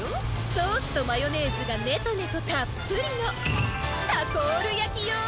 ソースとマヨネーズがねとねとたっぷりのタコールやきよ！